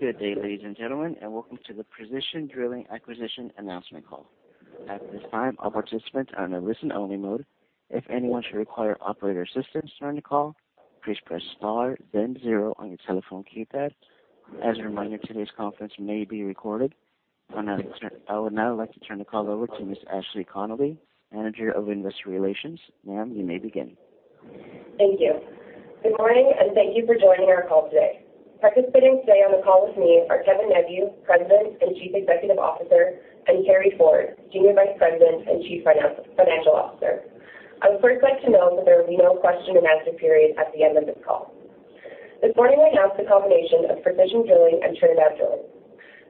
Good day, ladies and gentlemen, and welcome to the Precision Drilling acquisition announcement call. At this time, all participants are in a listen-only mode. If anyone should require operator assistance during the call, please press star then zero on your telephone keypad. As a reminder, today's conference may be recorded. I would now like to turn the call over to Ms. Ashley Connolly, Manager of Investor Relations. Ma'am, you may begin. Thank you. Good morning, and thank you for joining our call today. Participating today on the call with me are Kevin Neveu, President and Chief Executive Officer, and Carey Ford, Senior Vice President and Chief Financial Officer. I would first like to note that there will be no question and answer period at the end of this call. This morning we announced the combination of Precision Drilling and Trinidad Drilling.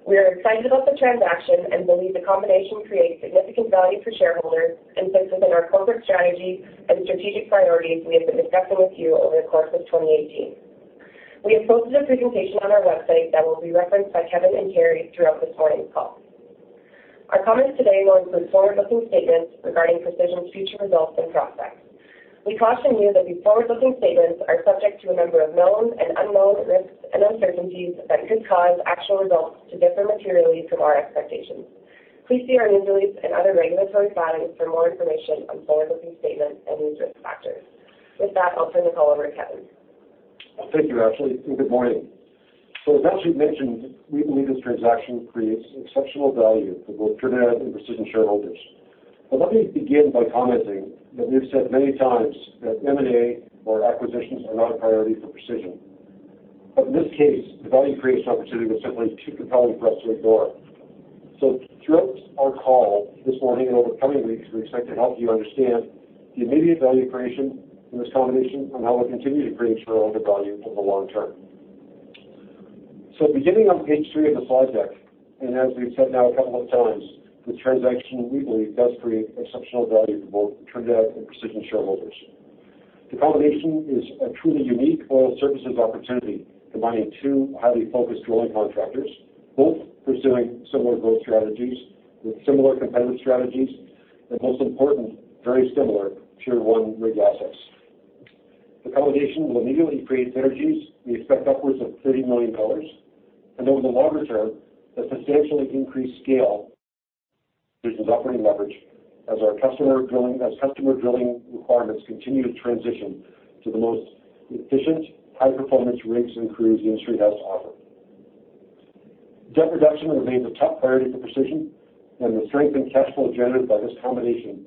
We are excited about the transaction and believe the combination creates significant value for shareholders and fits within our corporate strategy and strategic priorities we have been discussing with you over the course of 2018. We have posted a presentation on our website that will be referenced by Kevin and Carey throughout this morning's call. Our comments today will include forward-looking statements regarding Precision's future results and prospects. We caution you that these forward-looking statements are subject to a number of known and unknown risks and uncertainties that could cause actual results to differ materially from our expectations. Please see our news release and other regulatory filings for more information on forward-looking statements and these risk factors. With that, I'll turn the call over to Kevin. Thank you, Ashley, and good morning. As Ashley mentioned, we believe this transaction creates exceptional value for both Trinidad and Precision shareholders. Let me begin by commenting that we've said many times that M&A or acquisitions are not a priority for Precision. In this case, the value creation opportunity was simply too compelling for us to ignore. Throughout our call this morning and over the coming weeks, we expect to help you understand the immediate value creation from this combination and how we'll continue to create shareholder value over the long term. Beginning on page three of the slide deck, and as we've said now a couple of times, the transaction we believe does create exceptional value for both Trinidad and Precision shareholders. The combination is a truly unique oil services opportunity, combining two highly focused drilling contractors, both pursuing similar growth strategies with similar competitive strategies, and most important, very similar Tier 1 rig assets. The combination will immediately create synergies we expect upwards of 30 million dollars, and over the longer term, a substantially increased scale, which is operating leverage as our customer drilling requirements continue to transition to the most efficient, high-performance rigs and crews the industry has to offer. Debt reduction remains a top priority for Precision, and the strength and cash flow generated by this combination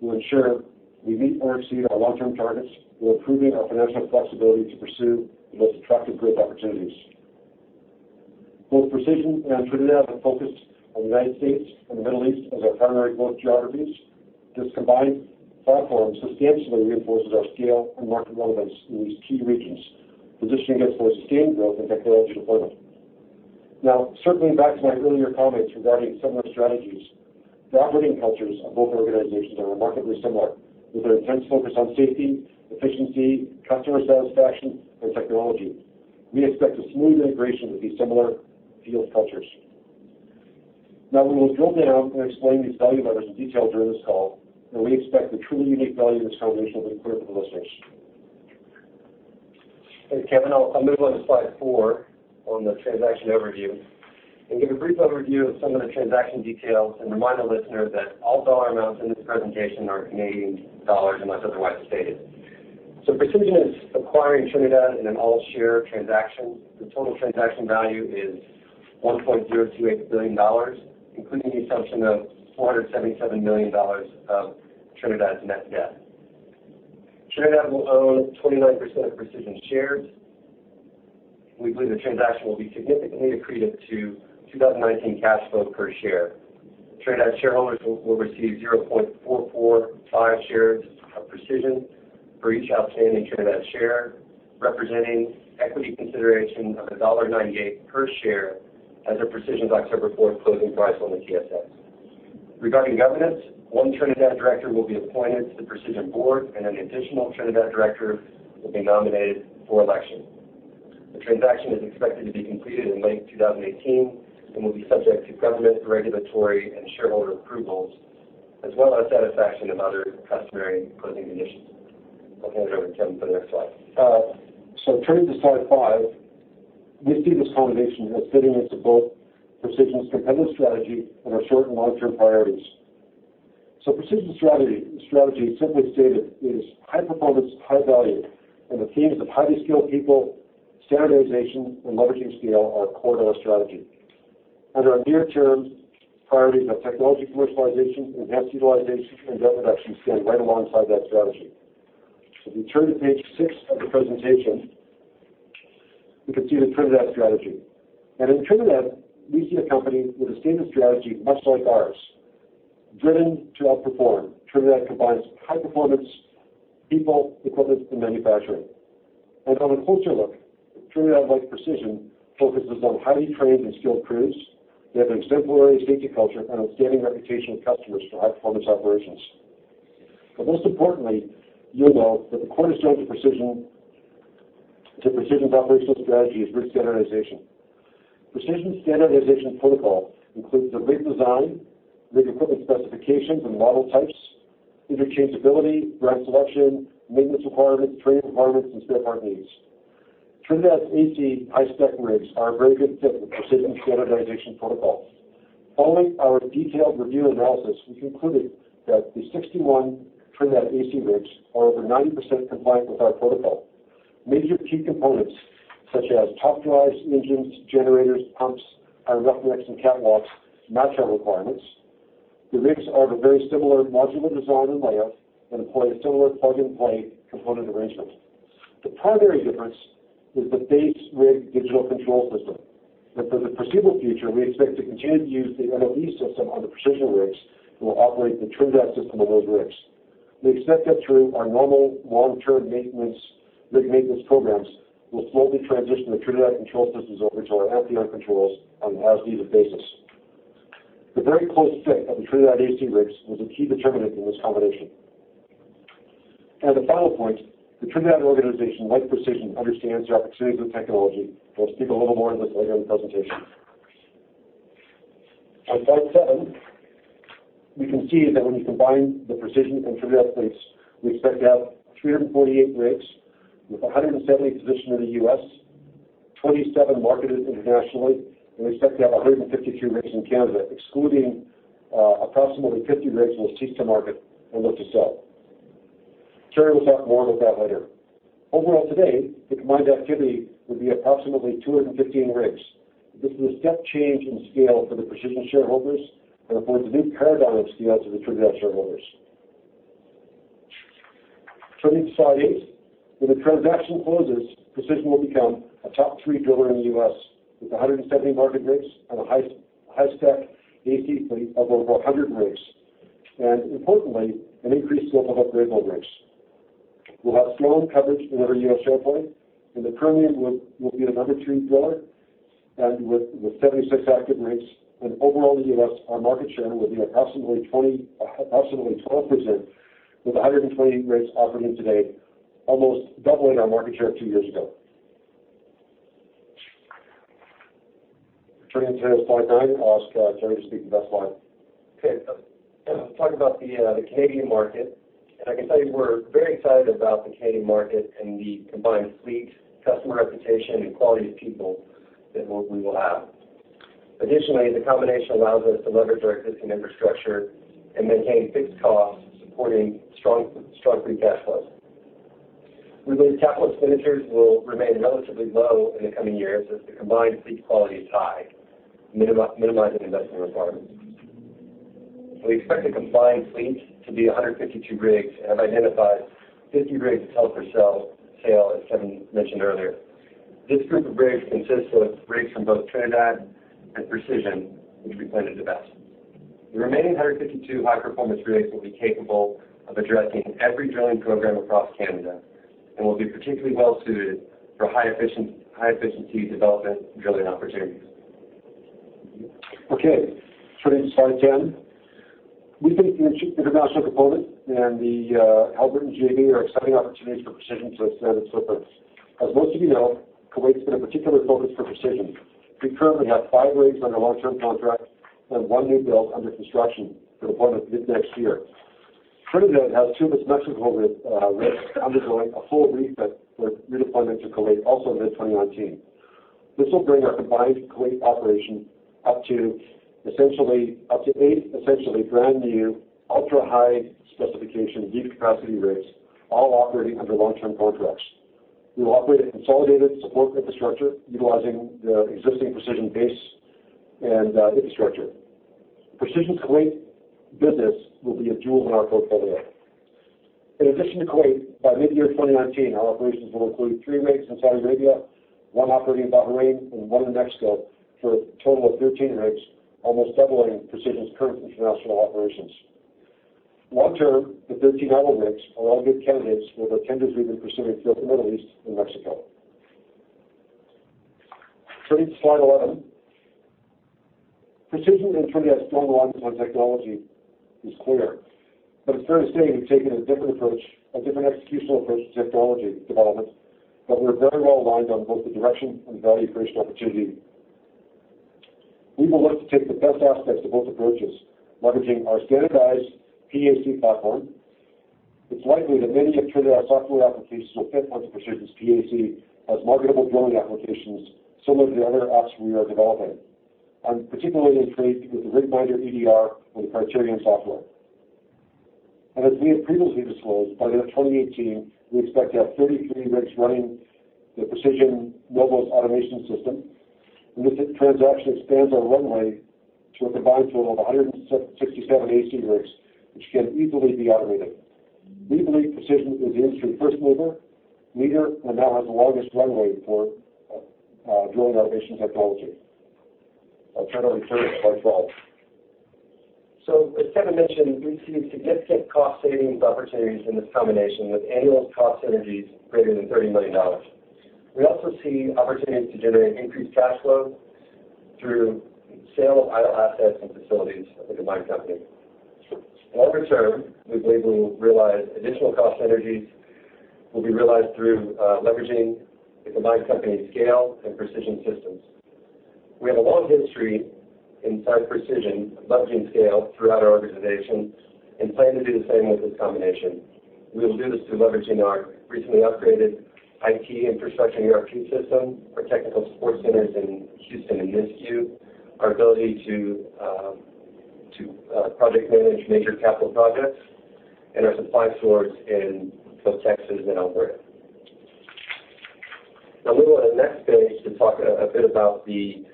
will ensure we meet or exceed our long-term targets while improving our financial flexibility to pursue the most attractive growth opportunities. Both Precision and Trinidad are focused on the U.S. and the Middle East as our primary growth geographies. This combined platform substantially reinforces our scale and market relevance in these key regions, positioning us for sustained growth and technological deployment. Circling back to my earlier comments regarding similar strategies, the operating cultures of both organizations are remarkably similar, with an intense focus on safety, efficiency, customer satisfaction, and technology. We expect a smooth integration with these similar field cultures. We will drill down and explain these value levers in detail during this call, and we expect the truly unique value of this combination will be clear to the listeners. Thanks, Kevin. I'll move on to slide four on the transaction overview and give a brief overview of some of the transaction details and remind the listener that all dollar amounts in this presentation are Canadian dollars unless otherwise stated. Precision is acquiring Trinidad in an all-share transaction. The total transaction value is 1.028 billion dollars, including the assumption of 477 million dollars of Trinidad's net debt. Trinidad will own 29% of Precision's shares. We believe the transaction will be significantly accretive to 2019 cash flow per share. Trinidad shareholders will receive 0.445 shares of Precision for each outstanding Trinidad share, representing equity consideration of dollar 1.98 per share as of Precision's October 4th closing price on the TSX. Regarding governance, one Trinidad director will be appointed to the Precision board, and an additional Trinidad director will be nominated for election. The transaction is expected to be completed in late 2018 and will be subject to government, regulatory, and shareholder approvals, as well as satisfaction of other customary closing conditions. I'll hand it over to Kevin for the next slide. Turning to slide five, we see this combination as fitting into both Precision's competitive strategy and our short and long-term priorities. Precision's strategy simply stated, is high performance, high value, and the themes of highly skilled people, standardization, and leveraging scale are core to our strategy. Our near-term priorities of technology commercialization, enhanced utilization, and debt reduction stand right alongside that strategy. If we turn to page six of the presentation, we can see the Trinidad strategy. In Trinidad, we see a company with a stated strategy much like ours, driven to outperform. Trinidad combines high performance people, equipment, and manufacturing. On a closer look, Trinidad, like Precision, focuses on highly trained and skilled crews. They have an exemplary safety culture and outstanding reputation with customers for high-performance operations. Most importantly, you'll note that the cornerstone to Precision's operational strategy is rig standardization. Precision's standardization protocol includes the rig design, rig equipment specifications and model types Interchangeability, rig selection, maintenance requirements, training requirements, and spare part needs. Trinidad AC Hi-Spec rigs are a very good fit with Precision's standardization protocol. Following our detailed review analysis, we concluded that the 61 Trinidad AC rigs are over 90% compliant with our protocol. Major key components such as top drives, engines, generators, pumps, power electronics, and catwalks match our requirements. The rigs are of a very similar modular design and layout and employ a similar plug-and-play component arrangement. The primary difference is the base rig digital control system, that for the foreseeable future, we expect to continue to use the NOVOS system on the Precision rigs and will operate the Trinidad system on those rigs. We expect that through our normal long-term rig maintenance programs, we'll slowly transition the Trinidad control systems over to our FTR controls on an as-needed basis. The very close fit of the Trinidad AC rigs was a key determinant in this combination. The final point, the Trinidad organization, like Precision, understands the opportunities with technology, and we'll speak a little more to this later in the presentation. On slide seven, we can see that when we combine the Precision and Trinidad fleets, we expect to have 348 rigs, with 170 positioned in the U.S., 27 marketed internationally, and we expect to have 152 rigs in Canada, excluding approximately 50 rigs we'll cease to market and look to sell. Carey will talk more about that later. Overall today, the combined activity would be approximately 215 rigs. This is a step change in scale for the Precision shareholders and affords a new paradigm of scale to the Trinidad shareholders. Turning to slide eight, when the transaction closes, Precision will become a top 3 driller in the U.S. with 170 market rigs and a Hi-Spec AC fleet of over 100 rigs, and importantly, an increased scope of upgradable rigs. We'll have strong coverage in every U.S. play, and the Permian will be the number 3 driller, and with 76 active rigs and overall in the U.S., our market share will be approximately 12% with 128 rigs operating today, almost doubling our market share two years ago. Turning to slide nine, I'll ask Carey to speak to this slide. Okay. Talk about the Canadian market. I can tell you we're very excited about the Canadian market and the combined fleet, customer reputation, and quality of people that we will have. Additionally, the combination allows us to leverage our existing infrastructure and maintain fixed costs, supporting strong free cash flow. We believe capital expenditures will remain relatively low in the coming years as the combined fleet quality is high, minimizing investment requirements. We expect the combined fleet to be 152 rigs and have identified 50 rigs for sale, as Kevin mentioned earlier. This group of rigs consists of rigs from both Trinidad and Precision, which we planned to sell. The remaining 152 high-performance rigs will be capable of addressing every drilling program across Canada and will be particularly well-suited for high-efficiency development drilling opportunities. Okay, turning to slide 10. We think the international component and the Albertan JV are exciting opportunities for Precision to expand its footprint. As most of you know, Kuwait's been a particular focus for Precision. We currently have five rigs under long-term contract and one new-build under construction for deployment mid next year. Trinidad has two of its Mexico rigs undergoing a full refit with redeployment to Kuwait also mid-2019. This will bring our combined Kuwait operation up to eight essentially brand-new, ultra-high specification, deep capacity rigs, all operating under long-term contracts. We will operate a consolidated support infrastructure utilizing the existing Precision base and infrastructure. Precision's Kuwait business will be a jewel in our portfolio. In addition to Kuwait, by mid-year 2019, our operations will include three rigs in Saudi Arabia, one operating in Bahrain, and one in Mexico, for a total of 13 rigs, almost doubling Precision's current international operations. Long-term, the 13 idle rigs are all good candidates for the tenders we've been pursuing throughout the Middle East and Mexico. Turning to slide 11. Precision and Trinidad's strong alignment on technology is clear. It's fair to say we've taken a different executional approach to technology development, but we're very well aligned on both the direction and value creation opportunity. We will look to take the best aspects of both approaches, leveraging our standardized PAC platform. It's likely that many of Trinidad's software applications will fit onto Precision's PAC as marketable drilling applications, similar to the other apps we are developing, and particularly in trade with the RigMinder EDR and Criterion software. As we have previously disclosed, by the end of 2018, we expect to have 33 rigs running the Precision NOVOS automation system. This transaction expands our runway to a combined total of 167 AC rigs, which can easily be automated. We believe Precision is the industry first mover, leader, and now has the longest runway for drilling automation technology. I'll turn it over to Carey for slide 12. As Kevin Neveu mentioned, we see significant cost-savings opportunities in this combination with annual cost synergies greater than 30 million dollars. We also see opportunities to generate increased cash flow through sale of idle assets and facilities of the combined company. Longer term, we believe we will realize additional cost synergies will be realized through leveraging the combined company's scale and Precision systems. We have a long history inside Precision of leveraging scale throughout our organization and plan to do the same with this combination. We will do this through leveraging our recently upgraded IT infrastructure, ERP system, our technical support centers in Houston and Nisku, our ability to project manage major capital projects, and our supply source in both Texas and Alberta. Moving on to the next page to talk a bit about the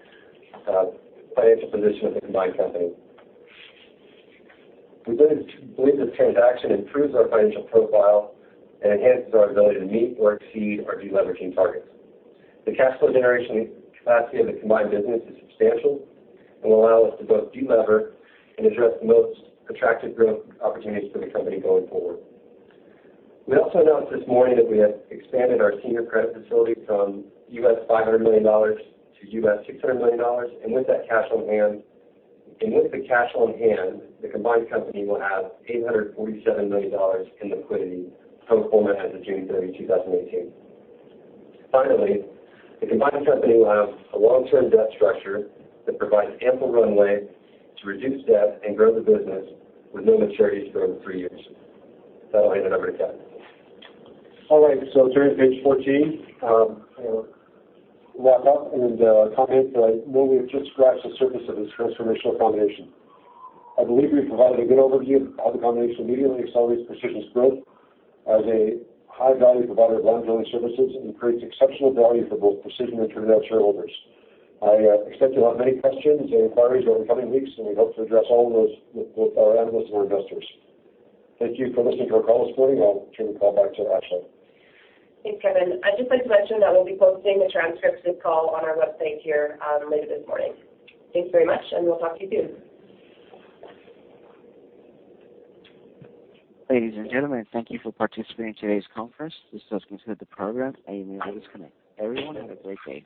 financial position of the combined company. We believe this transaction improves our financial profile and enhances our ability to meet or exceed our de-leveraging targets. The cash flow generation capacity of the combined business is substantial and will allow us to both de-lever and address the most attractive growth opportunities for the company going forward. We also announced this morning that we have expanded our senior credit facility from $500 million to $600 million, and with the cash on hand, the combined company will have $847 million in liquidity pro forma as of June 30, 2018. Finally, the combined company will have a long-term debt structure that provides ample runway to reduce debt and grow the business with no maturities for over three years. With that, I will hand it over to Kevin Neveu. Turning to page 14. I will wrap up and comment that we have only just scratched the surface of this transformational combination. I believe we have provided a good overview of how the combination immediately accelerates Precision's growth as a high-value provider of land drilling services and creates exceptional value for both Precision and Trinidad shareholders. I expect you will have many questions and inquiries over the coming weeks, and we hope to address all of those with both our analysts and our investors. Thank you for listening to our call this morning. I will turn the call back to Ashley Connolly. Thanks, Kevin Neveu. I would just like to mention that we will be posting a transcript of this call on our website here later this morning. Thanks very much, and we will talk to you soon. Ladies and gentlemen, thank you for participating in today's conference. This does conclude the program, and you may disconnect. Everyone, have a great day.